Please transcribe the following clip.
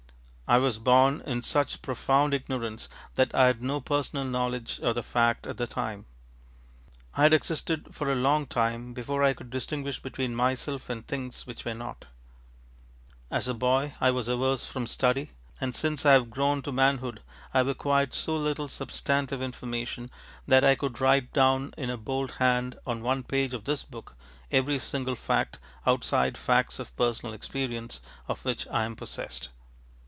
I was born in such profound ignorance that I had no personal knowledge of the fact at the time. I had existed for a long time before I could distinguish between myself and things which were not. As a boy I was averse from study; and since I have grown to manhood I have acquired so little substantive information that I could write down in a bold hand on one page of this book every single fact, outside facts of personal experience, of which I am possessed.